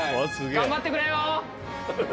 頑張ってくれよ！